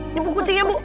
ini bu kucingnya bu